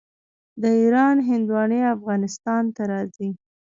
د ایران هندواڼې افغانستان ته راځي.